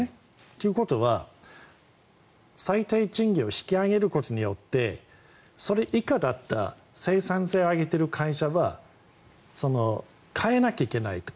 ということは、最低賃金を引き上げることによってそれ以下だった生産性を上げている会社は変えなきゃいけないと。